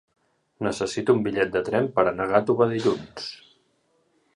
Necessito un bitllet de tren per anar a Gàtova dilluns.